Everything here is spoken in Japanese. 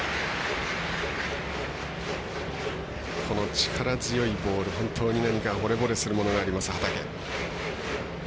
力強いボール、本当にほれぼれするものがあります畠。